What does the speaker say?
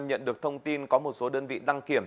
nhận được thông tin có một số đơn vị đăng kiểm